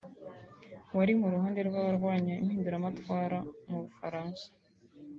wari mu ruhande rw’abarwanya impinduramatwara mu bufaransa